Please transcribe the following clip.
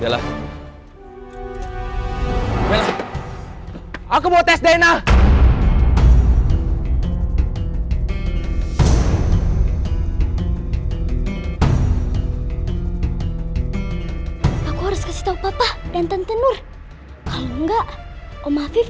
bella bella aku mau tes dna aku harus kasih tahu papa dan tentenur kalau enggak om hafif